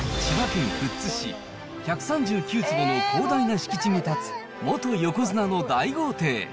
千葉県富津市、１３９坪の広大な敷地に建つ元横綱の大豪邸。